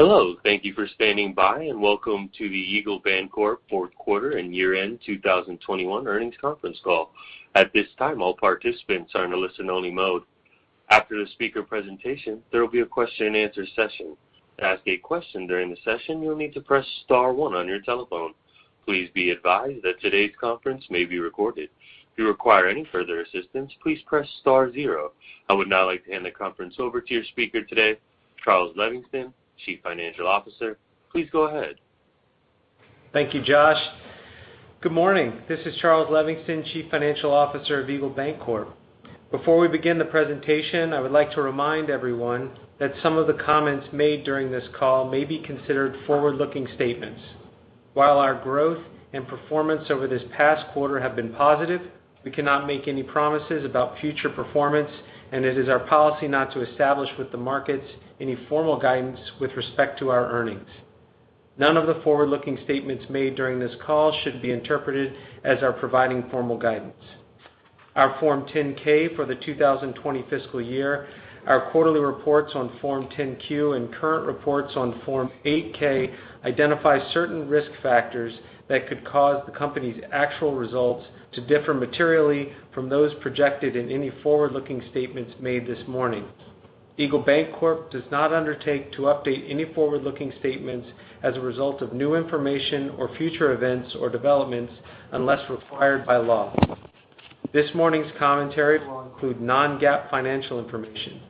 Hello, thank you for standing by, and welcome to the Eagle Bancorp Fourth Quarter and Year-end 2021 Earnings Conference Call. At this time, all participants are in a listen only mode. After the speaker presentation, there will be a question and answer session. To ask a question during the session, you'll need to press star one on your telephone. Please be advised that today's conference may be recorded. If you require any further assistance, please press star zero. I would now like to hand the conference over to your speaker today, Charles Levingston, Chief Financial Officer. Please go ahead. Thank you, Josh. Good morning. This is Charles Levingston, Chief Financial Officer of Eagle Bancorp. Before we begin the presentation, I would like to remind everyone that some of the comments made during this call may be considered forward-looking statements. While our growth and performance over this past quarter have been positive, we cannot make any promises about future performance, and it is our policy not to establish with the markets any formal guidance with respect to our earnings. None of the forward-looking statements made during this call should be interpreted as our providing formal guidance. Our Form 10-K for the 2020 fiscal year, our quarterly reports on Form 10-Q, and current reports on Form 8-K identify certain risk factors that could cause the company's actual results to differ materially from those projected in any forward-looking statements made this morning. Eagle Bancorp does not undertake to update any forward-looking statements as a result of new information or future events or developments unless required by law. This morning's commentary will include non-GAAP financial information.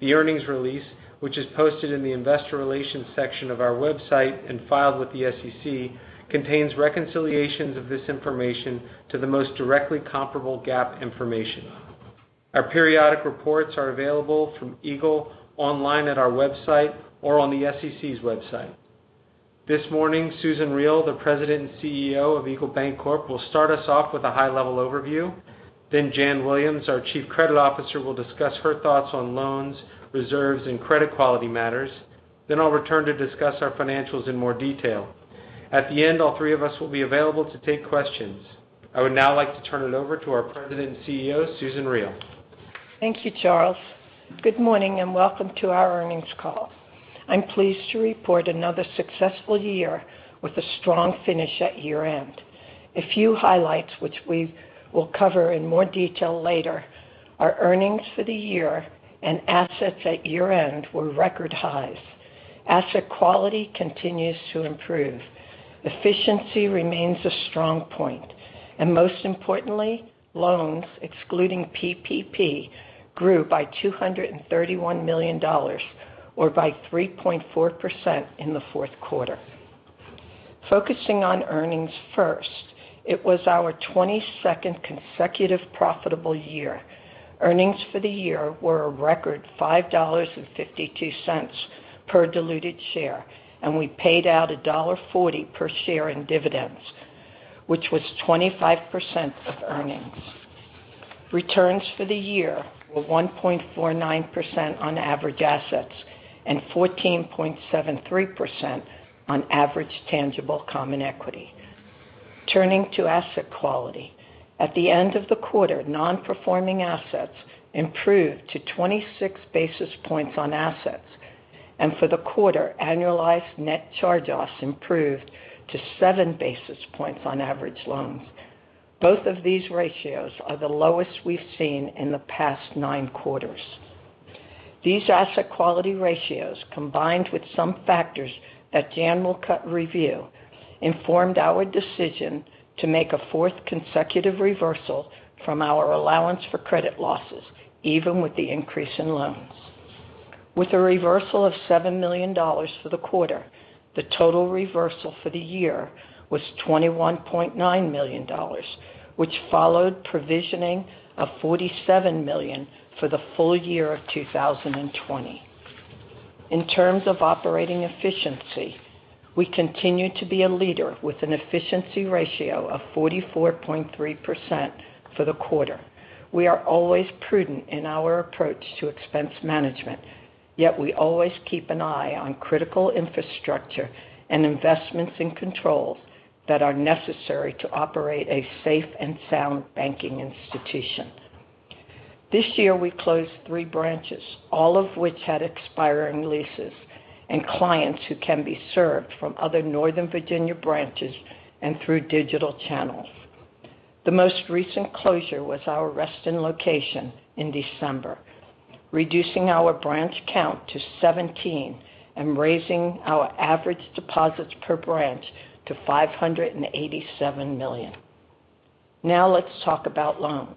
The earnings release, which is posted in the investor relations section of our website and filed with the SEC, contains reconciliations of this information to the most directly comparable GAAP information. Our periodic reports are available from Eagle online at our website or on the SEC's website. This morning, Susan Riel, the President and CEO of Eagle Bancorp, will start us off with a high-level overview. Janice Williams, our Chief Credit Officer, will discuss her thoughts on loans, reserves, and credit quality matters. I'll return to discuss our financials in more detail. At the end, all three of us will be available to take questions. I would now like to turn it over to our President and CEO, Susan Riel. Thank you, Charles. Good morning and welcome to our earnings call. I'm pleased to report another successful year with a strong finish at year-end. A few highlights which we will cover in more detail later. Our earnings for the year and assets at year-end were record highs. Asset quality continues to improve. Efficiency remains a strong point. Most importantly, loans excluding PPP grew by $231 million or by 3.4% in the fourth quarter. Focusing on earnings first, it was our 22nd consecutive profitable year. Earnings for the year were a record $5.52 per diluted share, and we paid out $1.40 per share in dividends, which was 25% of earnings. Returns for the year were 1.49% on average assets and 14.73% on average tangible common equity. Turning to asset quality. At the end of the quarter, non-performing assets improved to 26 basis points on assets, and for the quarter, annualized net charge-offs improved to 7 basis points on average loans. Both of these ratios are the lowest we've seen in the past nine quarters. These asset quality ratios, combined with some factors that Jan will review, informed our decision to make a fourth consecutive reversal from our allowance for credit losses even with the increase in loans. With a reversal of $7 million for the quarter, the total reversal for the year was $21.9 million, which followed provisioning of $47 million for the full year of 2020. In terms of operating efficiency, we continue to be a leader with an efficiency ratio of 44.3% for the quarter. We are always prudent in our approach to expense management, yet we always keep an eye on critical infrastructure and investments and controls that are necessary to operate a safe and sound banking institution. This year we closed three branches, all of which had expiring leases and clients who can be served from other Northern Virginia branches and through digital channels. The most recent closure was our Reston location in December, reducing our branch count to 17 and raising our average deposits per branch to $587 million. Now let's talk about loans.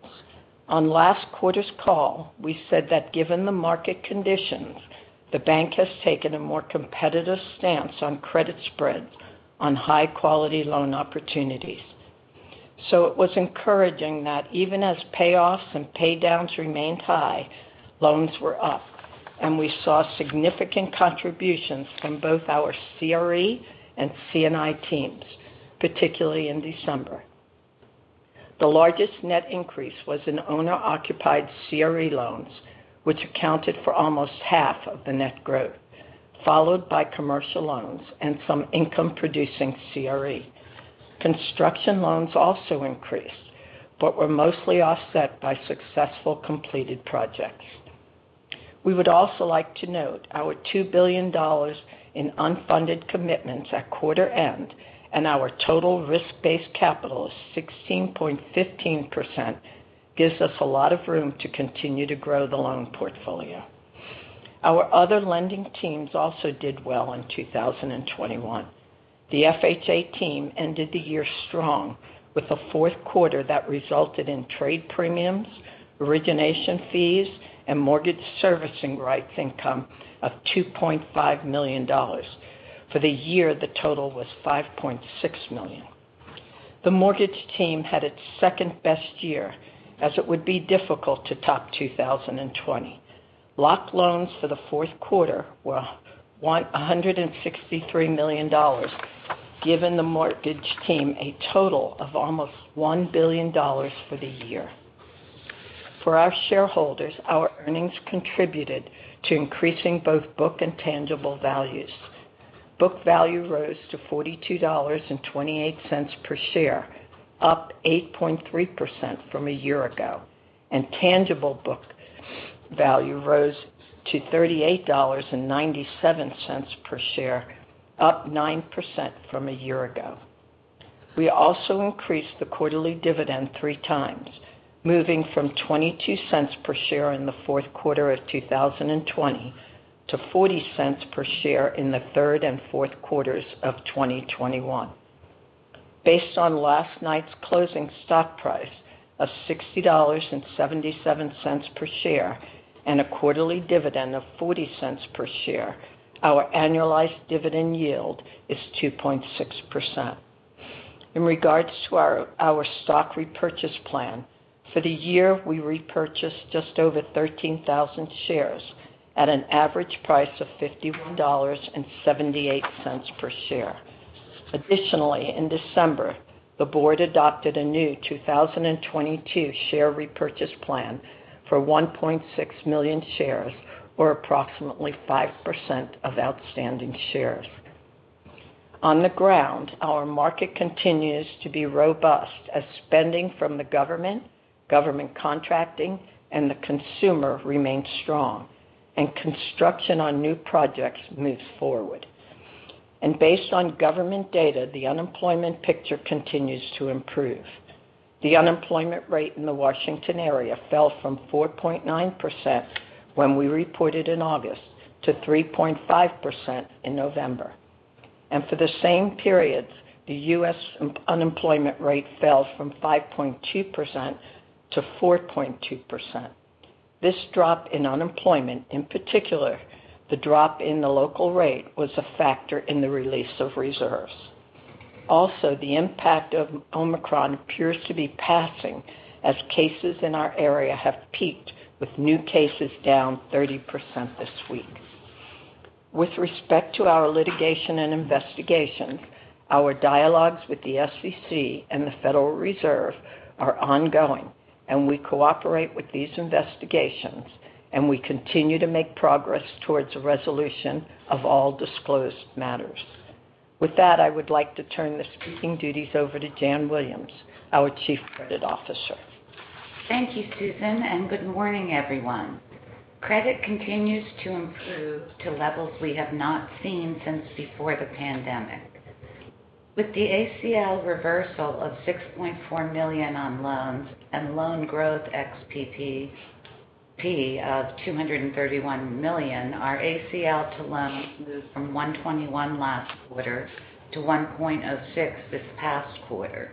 On last quarter's call, we said that given the market conditions, the bank has taken a more competitive stance on credit spreads on high-quality loan opportunities. It was encouraging that even as payoffs and pay downs remained high, loans were up, and we saw significant contributions from both our CRE and C&I teams, particularly in December. The largest net increase was in owner-occupied CRE loans, which accounted for almost half of the net growth, followed by commercial loans and some income-producing CRE. Construction loans also increased but were mostly offset by successfully completed projects. We would also like to note our $2 billion in unfunded commitments at quarter end and our total risk-based capital is 16.15% gives us a lot of room to continue to grow the loan portfolio. Our other lending teams also did well in 2021. The FHA team ended the year strong with a fourth quarter that resulted in trade premiums, origination fees, and mortgage servicing rights income of $2.5 million. For the year, the total was $5.6 million. The mortgage team had its second-best year as it would be difficult to top 2020. Locked loans for the fourth quarter were $163 million, giving the mortgage team a total of almost $1 billion for the year. For our shareholders, our earnings contributed to increasing both book and tangible values. Book value rose to $42.28 per share, up 8.3% from a year ago, and tangible book value rose to $38.97 per share, up 9% from a year ago. We also increased the quarterly dividend three times, moving from $0.22 per share in the fourth quarter of 2020 to $0.40 per share in the third and fourth quarters of 2021. Based on last night's closing stock price of $60.77 per share and a quarterly dividend of $0.40 per share, our annualized dividend yield is 2.6%. In regards to our stock repurchase plan, for the year, we repurchased just over 13,000 shares at an average price of $51.78 per share. Additionally, in December, the board adopted a new 2022 share repurchase plan for 1.6 million shares, or approximately 5% of outstanding shares. On the ground, our market continues to be robust as spending from the government contracting, and the consumer remains strong, and construction on new projects moves forward. Based on government data, the unemployment picture continues to improve. The unemployment rate in the Washington area fell from 4.9% when we reported in August to 3.5% in November. For the same periods, the U.S. unemployment rate fell from 5.2% to 4.2%. This drop in unemployment, in particular the drop in the local rate, was a factor in the release of reserves. Also, the impact of Omicron appears to be passing as cases in our area have peaked with new cases down 30% this week. With respect to our litigation and investigation, our dialogues with the SEC and the Federal Reserve are ongoing, and we cooperate with these investigations, and we continue to make progress towards a resolution of all disclosed matters. With that, I would like to turn the speaking duties over to Janice Williams, our Chief Credit Officer. Thank you, Susan, and good morning, everyone. Credit continues to improve to levels we have not seen since before the pandemic. With the ACL reversal of $6.4 million on loans and loan growth ex PPP of $231 million, our ACL to loans moved from 1.21 last quarter to 1.06 this past quarter.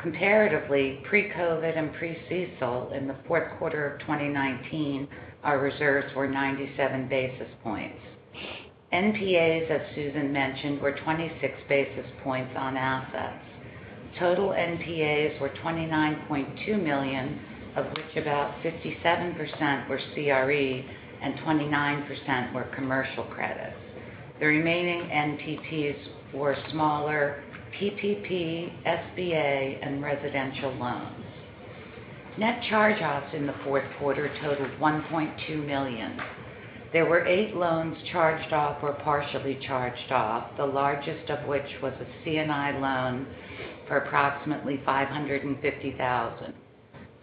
Comparatively, pre-COVID and pre-CECL in the fourth quarter of 2019, our reserves were 97 basis points. NPAs, as Susan mentioned, were 26 basis points on assets. Total NPAs were $29.2 million, of which about 57% were CRE and 29% were commercial credits. The remaining NPAs were smaller PPP, SBA, and residential loans. Net charge-offs in the fourth quarter totaled $1.2 million. There were eight loans charged off or partially charged off, the largest of which was a C&I loan for approximately $550,000.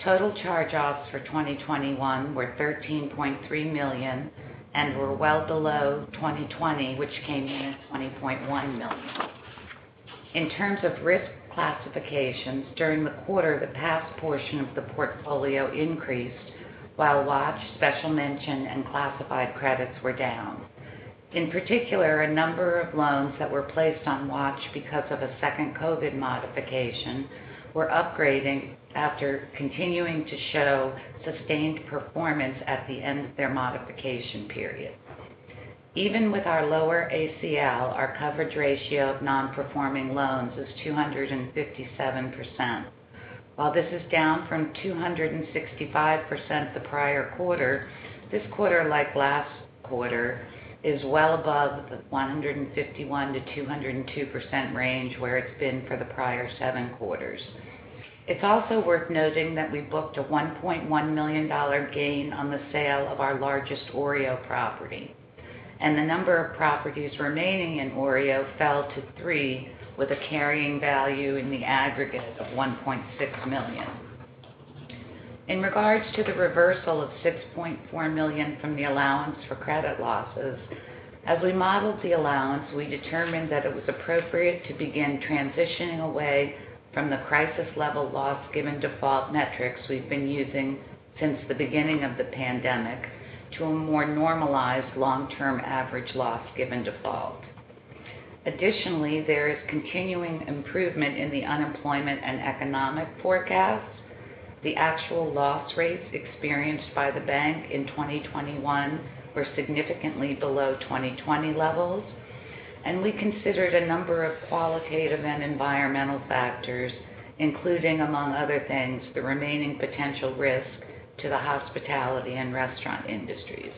Total charge-offs for 2021 were $13.3 million and were well below 2020, which came in at $20.1 million. In terms of risk classifications, during the quarter, the past due portion of the portfolio increased while watched, special mention, and classified credits were down. In particular, a number of loans that were placed on watch because of a second COVID modification were upgrading after continuing to show sustained performance at the end of their modification period. Even with our lower ACL, our coverage ratio of non-performing loans is 257%. While this is down from 265% the prior quarter, this quarter, like last quarter, is well above the 151%-202% range where it's been for the prior seven quarters. It's also worth noting that we booked a $1.1 million gain on the sale of our largest OREO property. The number of properties remaining in OREO fell to three, with a carrying value in the aggregate of $1.6 million. In regards to the reversal of $6.4 million from the allowance for credit losses, as we modeled the allowance, we determined that it was appropriate to begin transitioning away from the crisis level loss given default metrics we've been using since the beginning of the pandemic to a more normalized long-term average loss given default. Additionally, there is continuing improvement in the unemployment and economic forecasts. The actual loss rates experienced by the bank in 2021 were significantly below 2020 levels, and we considered a number of qualitative and environmental factors, including, among other things, the remaining potential risk to the hospitality and restaurant industries.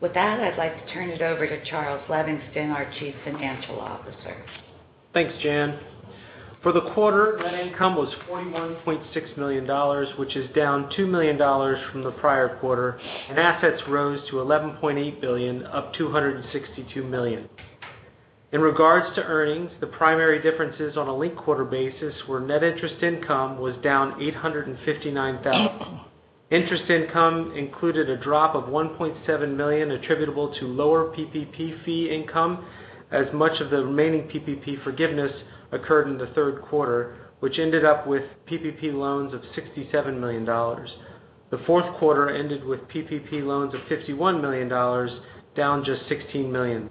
With that, I'd like to turn it over to Charles Levingston, our Chief Financial Officer. Thanks, Jan. For the quarter, net income was $41.6 million, which is down $2 million from the prior quarter, and assets rose to $11.8 billion, up $262 million. In regards to earnings, the primary differences on a linked-quarter basis were net interest income was down $859,000. Interest income included a drop of $1.7 million attributable to lower PPP fee income, as much of the remaining PPP forgiveness occurred in the third quarter, which ended up with PPP loans of $67 million. The fourth quarter ended with PPP loans of $51 million, down just $16 million.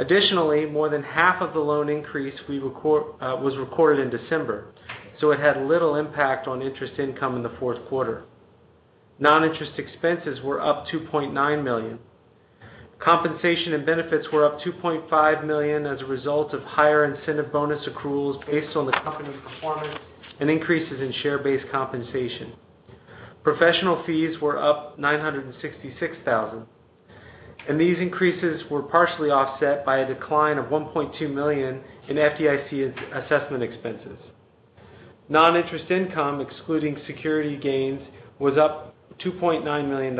Additionally, more than half of the loan increase was recorded in December, so it had little impact on interest income in the fourth quarter. Non-interest expenses were up $2.9 million. Compensation and benefits were up $2.5 million as a result of higher incentive bonus accruals based on the company's performance and increases in share-based compensation. Professional fees were up $966,000, and these increases were partially offset by a decline of $1.2 million in FDIC assessment expenses. Non-interest income, excluding security gains, was up $2.9 million.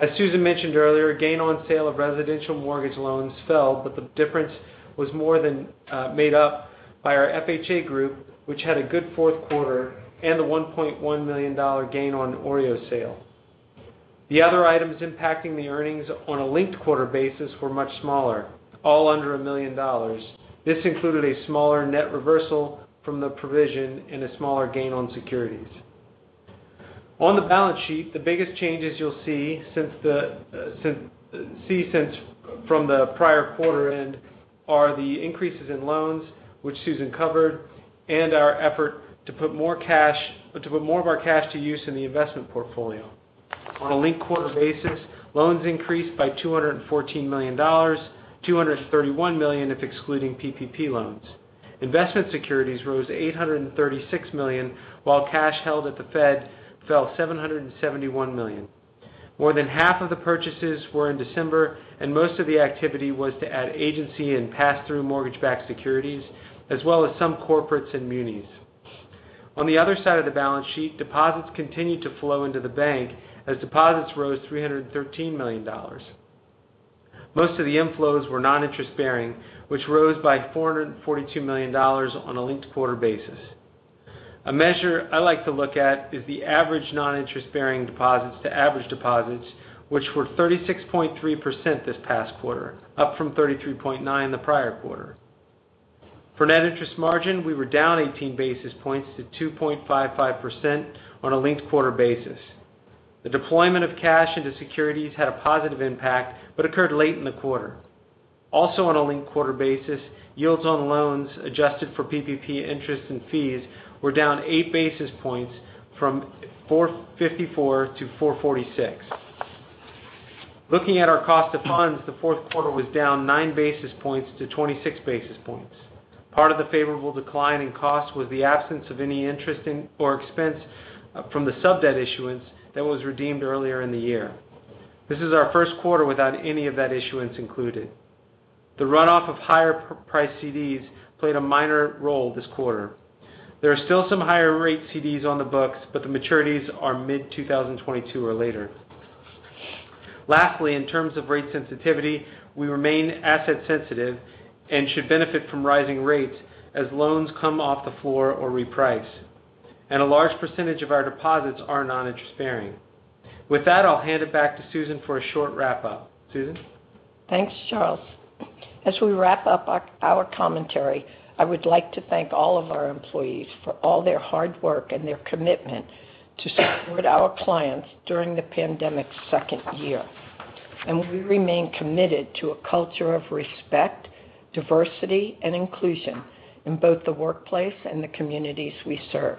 As Susan mentioned earlier, gain on sale of residential mortgage loans fell, but the difference was more than made up by our FHA group, which had a good fourth quarter and a $1.1 million gain on OREO sale. The other items impacting the earnings on a linked-quarter basis were much smaller, all under $1 million. This included a smaller net reversal from the provision and a smaller gain on securities. On the balance sheet, the biggest changes you'll see since from the prior quarter end are the increases in loans, which Susan covered, and our effort to put more of our cash to use in the investment portfolio. On a linked-quarter basis, loans increased by $214 million, $231 million if excluding PPP loans. Investment securities rose $836 million, while cash held at the Fed fell $771 million. More than half of the purchases were in December, and most of the activity was to add agency and pass-through mortgage-backed securities, as well as some corporates and munis. On the other side of the balance sheet, deposits continued to flow into the bank as deposits rose $313 million. Most of the inflows were non-interest-bearing, which rose by $442 million on a linked-quarter basis. A measure I like to look at is the average non-interest-bearing deposits to average deposits, which were 36.3% this past quarter, up from 33.9% the prior quarter. For net interest margin, we were down 18 basis points to 2.55% on a linked-quarter basis. The deployment of cash into securities had a positive impact but occurred late in the quarter. Also on a linked-quarter basis, yields on loans adjusted for PPP interest and fees were down 8 basis points from 4.54% to 4.46%. Looking at our cost of funds, the fourth quarter was down 9 basis points to 26 basis points. Part of the favorable decline in cost was the absence of any interest in or expense from the sub-debt issuance that was redeemed earlier in the year. This is our first quarter without any of that issuance included. The runoff of higher priced CDs played a minor role this quarter. There are still some higher rate CDs on the books, but the maturities are mid-2022 or later. Lastly, in terms of rate sensitivity, we remain asset sensitive and should benefit from rising rates as loans come off the floor or reprice, and a large percentage of our deposits are non-interest-bearing. With that, I'll hand it back to Susan for a short wrap-up. Susan? Thanks, Charles. As we wrap up our commentary, I would like to thank all of our employees for all their hard work and their commitment to support our clients during the pandemic's second year. We remain committed to a culture of respect, diversity, and inclusion in both the workplace and the communities we serve.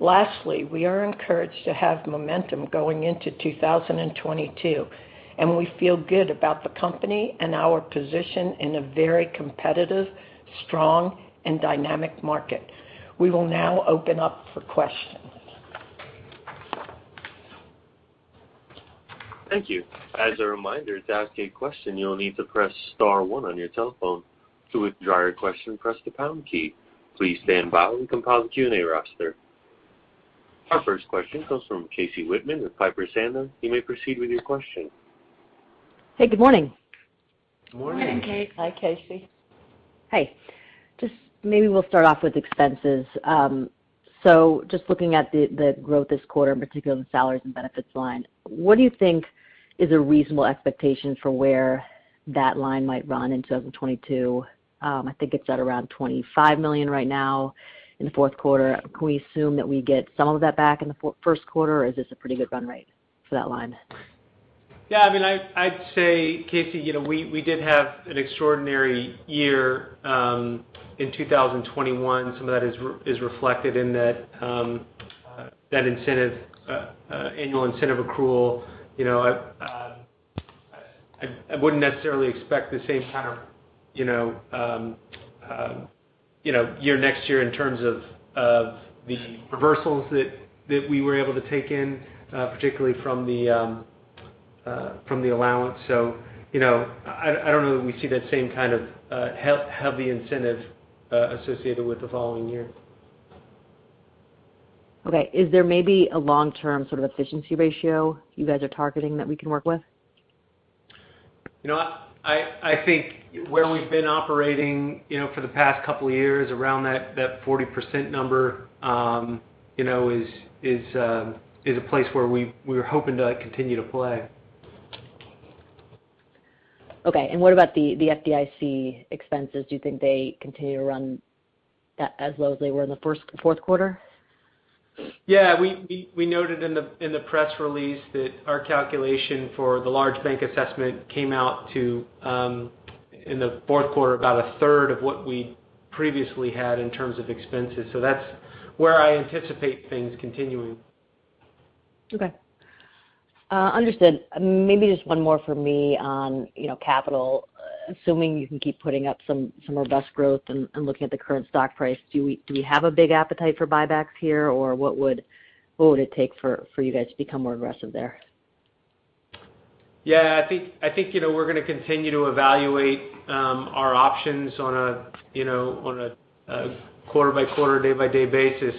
Lastly, we are encouraged to have momentum going into 2022, and we feel good about the company and our position in a very competitive, strong, and dynamic market. We will now open up for questions. Thank you. As a reminder, to ask a question, you will need to press star one on your telephone. To withdraw your question, press the pound key. Please stand by while we compile the Q&A roster. Our first question comes from Casey Whitman with Piper Sandler. You may proceed with your question. Hey, good morning. Good morning. Hi, Casey. Hey. Just maybe we'll start off with expenses. So just looking at the growth this quarter, in particular the salaries and benefits line, what do you think is a reasonable expectation for where that line might run in 2022? I think it's at around $25 million right now in the fourth quarter. Can we assume that we get some of that back in the first quarter, or is this a pretty good run rate for that line? Yeah. I mean, I'd say, Casey, you know, we did have an extraordinary year in 2021. Some of that is reflected in that incentive annual incentive accrual. You know, I wouldn't necessarily expect the same kind of year next year in terms of the reversals that we were able to take in, particularly from the allowance. You know, I don't know that we see that same kind of heavy incentive associated with the following year. Okay. Is there maybe a long-term sort of efficiency ratio you guys are targeting that we can work with? You know what? I think where we've been operating, you know, for the past couple of years around that 40% number, you know, is a place where we're hoping to continue to play. Okay. What about the FDIC expenses? Do you think they continue to run as low as they were in the fourth quarter? Yeah. We noted in the press release that our calculation for the large bank assessment came out to in the fourth quarter about a third of what we previously had in terms of expenses. That's where I anticipate things continuing. Okay. Understood. Maybe just one more for me on, you know, capital. Assuming you can keep putting up some robust growth and looking at the current stock price, do we have a big appetite for buybacks here, or what would it take for you guys to become more aggressive there? Yeah, I think, you know, we're gonna continue to evaluate our options on a quarter by quarter, day by day basis,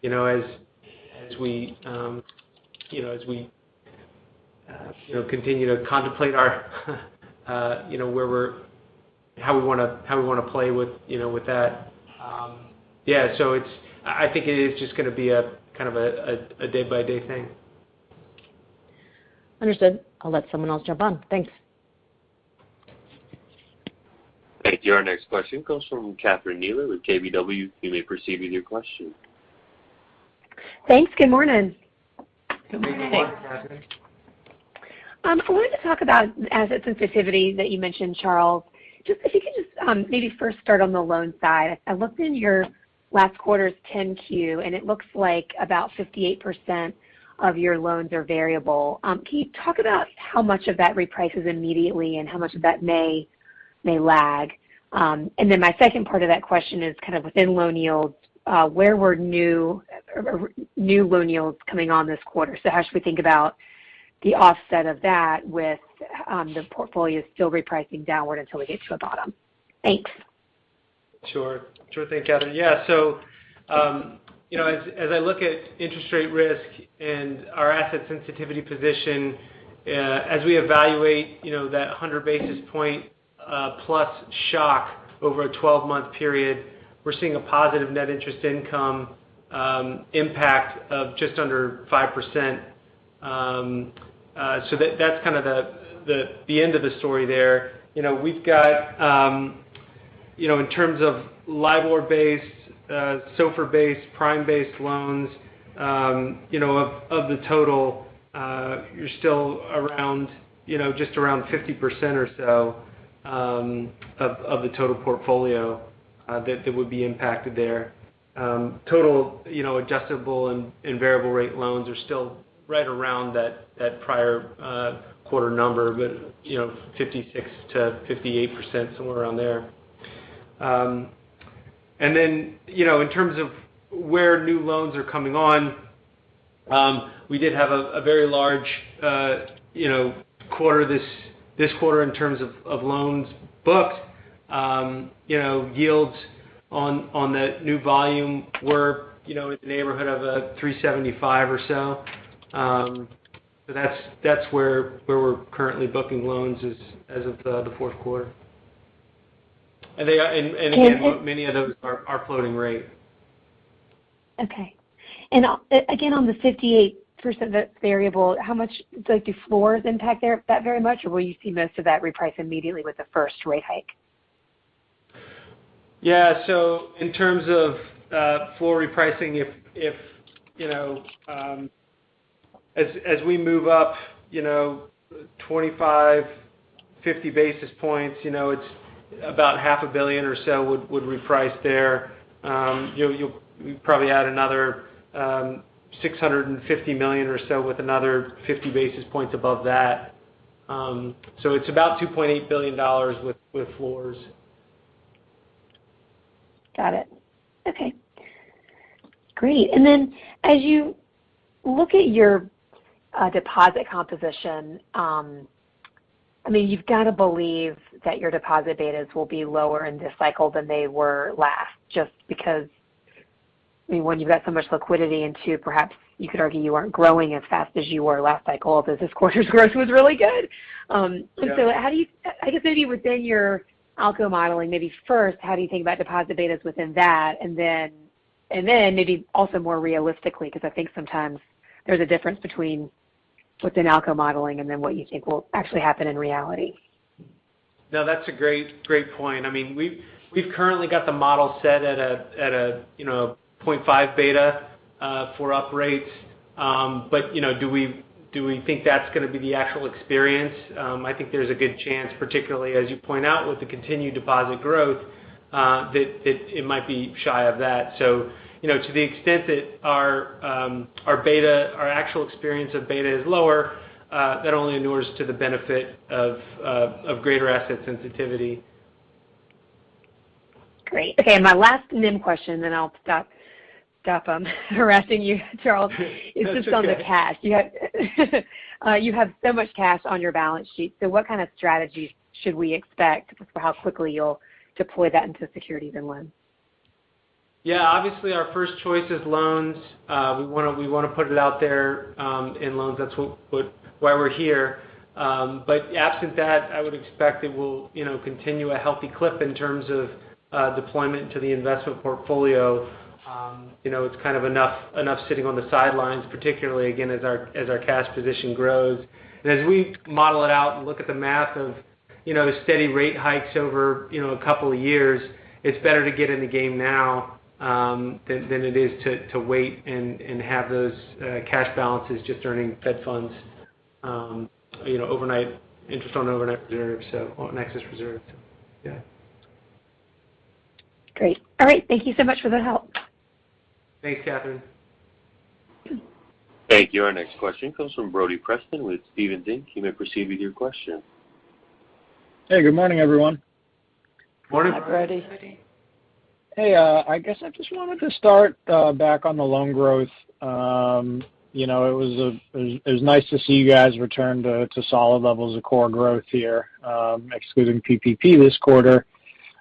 you know, as we continue to contemplate our, you know, how we wanna play with, you know, with that. Yeah, I think it is just gonna be a kind of a day by day thing. Understood. I'll let someone else jump on. Thanks. Thank you. Our next question comes from Catherine Mealor with KBW. You may proceed with your question. Thanks. Good morning. Good morning. Good morning, Catherine. I wanted to talk about asset sensitivity that you mentioned, Charles. Just if you could, maybe first start on the loan side. I looked in your last quarter's 10-Q, and it looks like about 58% of your loans are variable. Can you talk about how much of that reprices immediately and how much of that may lag? My second part of that question is kind of within loan yields, where were new loan yields coming on this quarter? How should we think about the offset of that with the portfolio still repricing downward until we get to a bottom? Thanks. Sure. Sure thing, Catherine. Yeah. As I look at interest rate risk and our asset sensitivity position, as we evaluate that 100 basis point plus shock over a 12-month period, we're seeing a positive net interest income impact of just under 5%. That's kind of the end of the story there. You know, we've got, you know, in terms of LIBOR-based, SOFR-based, prime-based loans, you know, of the total, you're still around, you know, just around 50% or so, of the total portfolio, that would be impacted there. Total, you know, adjustable and variable rate loans are still right around that prior quarter number with, you know, 56%-58%, somewhere around there. You know, in terms of where new loans are coming on, we did have a very large quarter this quarter in terms of loans booked. Yields on the new volume were, you know, in the neighborhood of 3.75% or so. That's where we're currently booking loans is as of the fourth quarter. And- Again, many of those are floating rate. Okay. Again, on the 58% that's variable, how much—like, do floors impact there that very much, or will you see most of that reprice immediately with the first rate hike? Yeah. In terms of floor repricing, if you know, as we move up you know, 25, 50 basis points, you know, it's about $500 million or so would reprice there. You'll probably add another $650 million or so with another 50 basis points above that. It's about $2.8 billion with floors. Got it. Okay. Great. As you look at your deposit composition, I mean, you've got to believe that your deposit betas will be lower in this cycle than they were last, just because, I mean, one, you've got so much liquidity, and two, perhaps you could argue you aren't growing as fast as you were last cycle. Although this quarter's growth was really good. Yeah. How do you, I guess maybe within your ALCO modeling, maybe first, how do you think about deposit betas within that? Then maybe also more realistically, because I think sometimes there's a difference between within ALCO modeling and then what you think will actually happen in reality. No, that's a great point. I mean, we've currently got the model set at a you know, 0.5 beta for up rates. Do we think that's gonna be the actual experience? I think there's a good chance, particularly as you point out with the continued deposit growth, that it might be shy of that. You know, to the extent that our actual experience of beta is lower, that only inures to the benefit of greater asset sensitivity. Great. Okay, my last NIM question then I'll stop harassing you, Charles. That's okay. It's just on the cash. You have so much cash on your balance sheet, so what kind of strategies should we expect for how quickly you'll deploy that into securities and loans? Yeah, obviously our first choice is loans. We wanna put it out there in loans. That's why we're here. But absent that, I would expect it will, you know, continue a healthy clip in terms of deployment to the investment portfolio. You know, it's kind of enough sitting on the sidelines, particularly again, as our cash position grows. As we model it out and look at the math of, you know, steady rate hikes over, you know, a couple of years, it's better to get in the game now than it is to wait and have those cash balances just earning Fed funds, you know, overnight interest on excess reserves. Yeah. Great. All right. Thank you so much for the help. Thanks, Catherine. Thank you. Our next question comes from Brody Preston with Stephens Inc. You may proceed with your question. Hey, good morning, everyone. Morning. Hi, Brody. Hey, I guess I just wanted to start back on the loan growth. You know, it was nice to see you guys return to solid levels of core growth here, excluding PPP this quarter.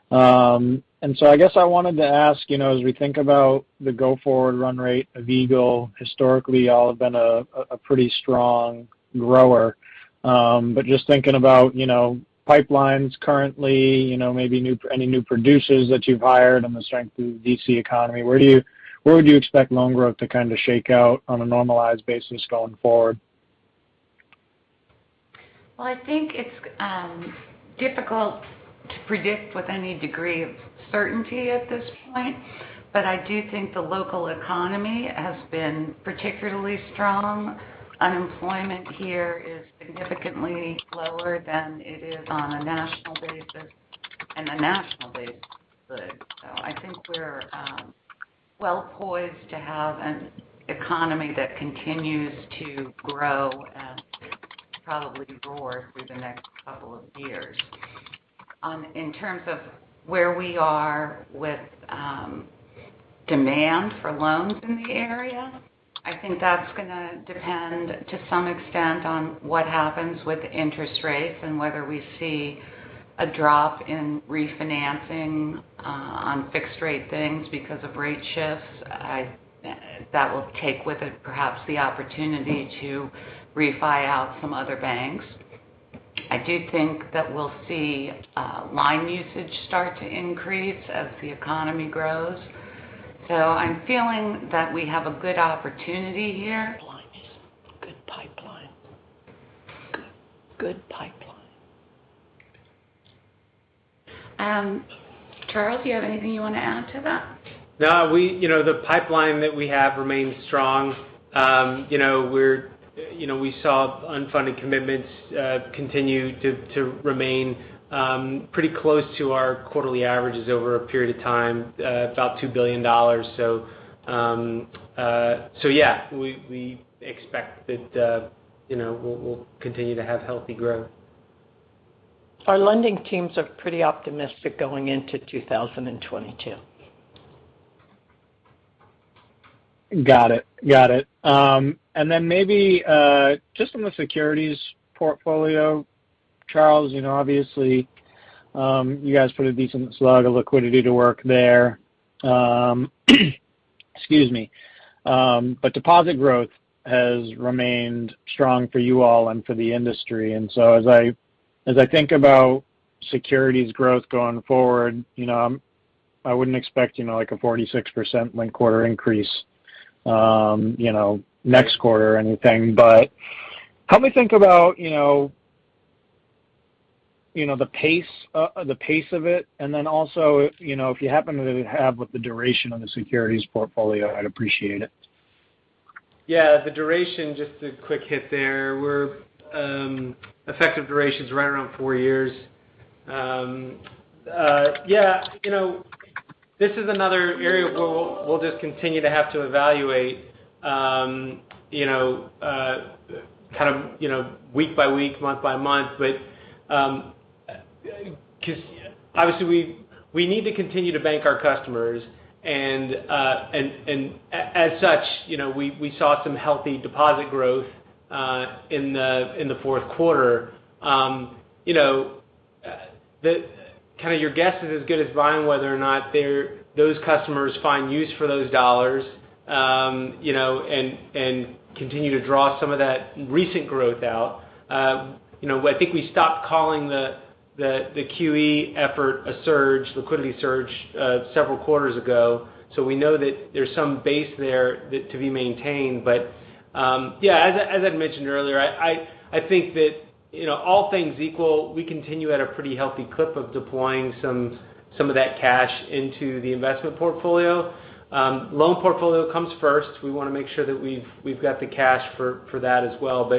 I guess I wanted to ask, you know, as we think about the go-forward run rate of Eagle, historically y'all have been a pretty strong grower. Just thinking about, you know, pipelines currently, you know, maybe any new producers that you've hired and the strength of the D.C. economy, where would you expect loan growth to kind of shake out on a normalized basis going forward? Well, I think it's difficult to predict with any degree of certainty at this point. I do think the local economy has been particularly strong. Unemployment here is significantly lower than it is on a national basis, and the national basis is good. I think we're well-poised to have an economy that continues to grow and probably soar through the next couple of years. In terms of where we are with demand for loans in the area, I think that's gonna depend to some extent on what happens with interest rates and whether we see a drop in refinancing on fixed rate things because of rate shifts. That will take with it perhaps the opportunity to refi out some other banks. I do think that we'll see line usage start to increase as the economy grows. I'm feeling that we have a good opportunity here. Pipelines. Good pipeline. Charles, do you have anything you want to add to that? No. You know, the pipeline that we have remains strong. You know, we're you know we saw unfunded commitments continue to remain pretty close to our quarterly averages over a period of time about $2 billion. Yeah, we expect that you know we'll continue to have healthy growth. Our lending teams are pretty optimistic going into 2022. Got it. Then maybe just on the securities portfolio, Charles, you know, obviously, you guys put a decent slug of liquidity to work there. Excuse me. Deposit growth has remained strong for you all and for the industry. As I think about securities growth going forward, you know, I wouldn't expect, you know, like a 46% linked quarter increase, you know, next quarter or anything. Help me think about, you know, the pace of it, and then also if, you know, if you happen to have with the duration on the securities portfolio, I'd appreciate it. Yeah, the duration, just a quick hit there, our effective duration is right around four years. Yeah, you know, this is another area where we'll just continue to have to evaluate, you know, kind of week by week, month by month. Because obviously we need to continue to bank our customers and as such, you know, we saw some healthy deposit growth in the fourth quarter. You know, kind of your guess is as good as mine whether or not those customers find use for those dollars, you know, and continue to draw some of that recent growth out. You know, I think we stopped calling the QE effort a liquidity surge several quarters ago, so we know that there's some base there that to be maintained. As I mentioned earlier, I think that, you know, all things equal, we continue at a pretty healthy clip of deploying some of that cash into the investment portfolio. Loan portfolio comes first. We wanna make sure that we've got the cash for that as well.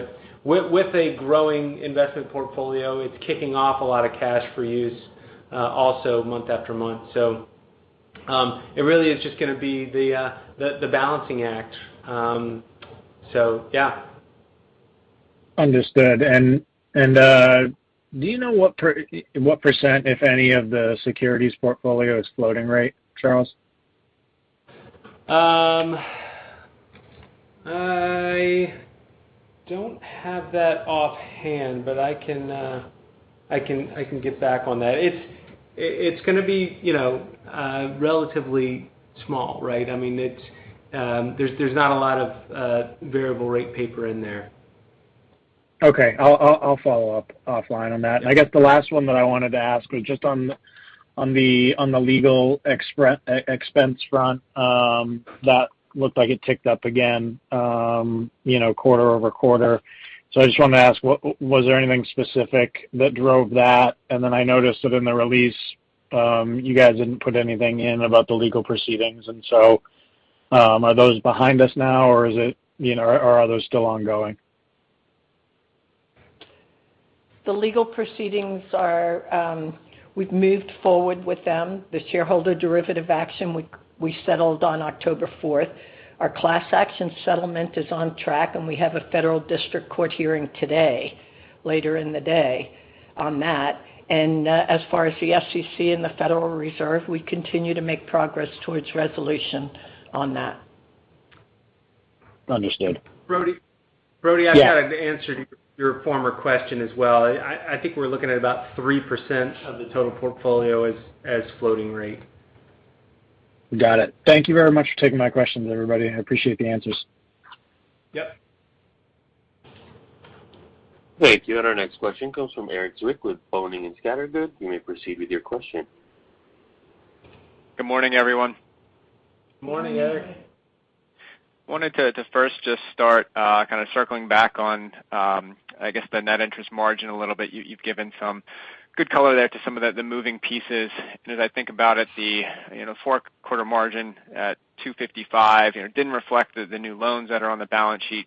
With a growing investment portfolio, it's kicking off a lot of cash for use also month after month. It really is just gonna be the balancing act. Yeah. Understood. Do you know what percent, if any, of the securities portfolio is floating rate, Charles? I don't have that offhand, but I can get back on that. It's gonna be, you know, relatively small, right? I mean, it's. There's not a lot of variable rate paper in there. Okay. I'll follow up offline on that. I guess the last one that I wanted to ask was just on the legal expense front, that looked like it ticked up again, you know, QoQ. I just wanted to ask, was there anything specific that drove that? Then I noticed that in the release, you guys didn't put anything in about the legal proceedings. Are those behind us now, or is it, you know, or are those still ongoing? The legal proceedings are, we've moved forward with them. The shareholder derivative action we settled on October fourth. Our class action settlement is on track, and we have a federal district court hearing today, later in the day on that. As far as the SEC and the Federal Reserve, we continue to make progress towards resolution on that. Understood. Brody, I kind of answered your former question as well. I think we're looking at about 3% of the total portfolio as floating rate. Got it. Thank you very much for taking my questions, everybody. I appreciate the answers. Yep. Thank you. Our next question comes from Erik Zwick with Boenning & Scattergood. You may proceed with your question. Good morning, everyone. Morning, Erik. Morning. wanted to first just start kind of circling back on I guess the net interest margin a little bit. You've given some good color there to some of the moving pieces. As I think about it, you know, fourth quarter margin at 2.55%, you know, didn't reflect the new loans that are on the balance sheet,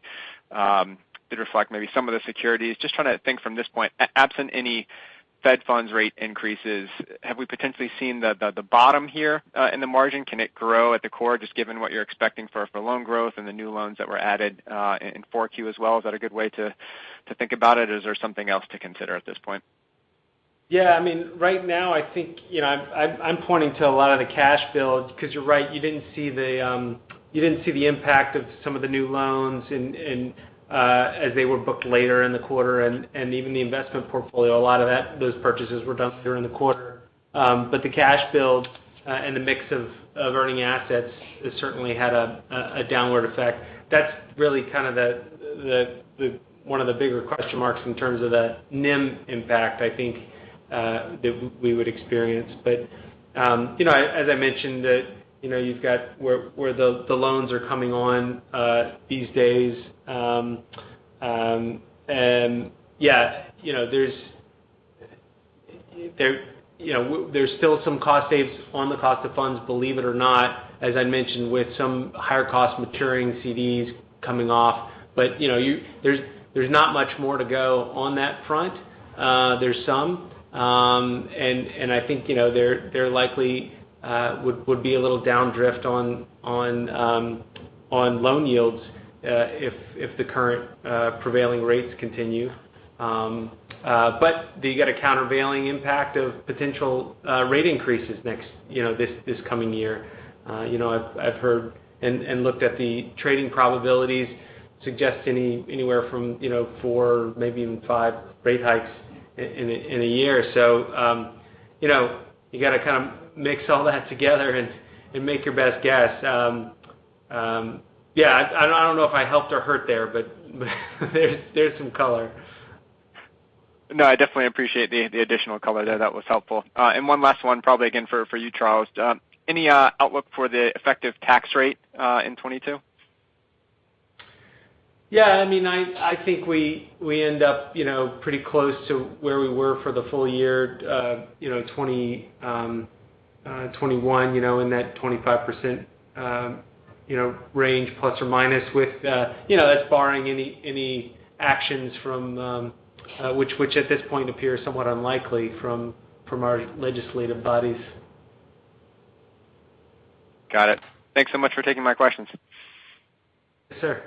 did reflect maybe some of the securities. Just trying to think from this point, absent any Fed funds rate increases, have we potentially seen the bottom here in the margin? Can it grow at the core, just given what you're expecting for loan growth and the new loans that were added in 4Q as well? Is that a good way to think about it? Is there something else to consider at this point? Yeah. I mean, right now, I think, you know, I'm pointing to a lot of the cash build because you're right. You didn't see the impact of some of the new loans in as they were booked later in the quarter and even the investment portfolio. A lot of those purchases were done during the quarter. The cash build and the mix of earning assets has certainly had a downward effect. That's really kind of one of the bigger question marks in terms of the NIM impact, I think, that we would experience. You know, as I mentioned that, you know, you've got where the loans are coming on these days. Yeah, you know, there's still some cost savings on the cost of funds, believe it or not, as I mentioned, with some higher cost maturing CDs coming off. You know, there's not much more to go on that front. There's some and I think you know there likely would be a little downdraft on loan yields if the current prevailing rates continue. You get a countervailing impact of potential rate increases next, you know, this coming year. You know, I've heard and looked at the trading probabilities suggest anywhere from, you know, four, maybe even five rate hikes in a year. You know, you gotta kind of mix all that together and make your best guess. Yeah, I don't know if I helped or hurt there, but there's some color. No, I definitely appreciate the additional color there. That was helpful. One last one probably again for you, Charles. Any outlook for the effective tax rate in 2022? Yeah. I mean, I think we end up, you know, pretty close to where we were for the full year, 2021, you know, in that 25% range plus or minus with, you know, that's barring any actions from which at this point appears somewhat unlikely from our legislative bodies. Got it. Thanks so much for taking my questions. Yes, sir.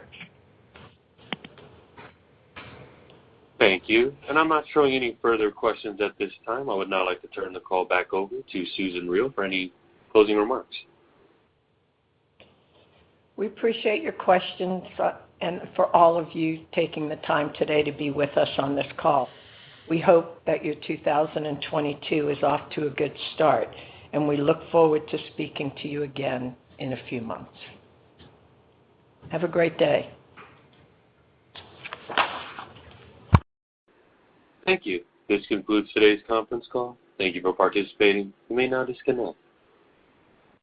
Thank you. I'm not showing any further questions at this time. I would now like to turn the call back over to Susan Riel for any closing remarks. We appreciate your questions, and for all of you taking the time today to be with us on this call. We hope that your 2022 is off to a good start, and we look forward to speaking to you again in a few months. Have a great day. Thank you. This concludes today's conference call. Thank you for participating. You may now disconnect.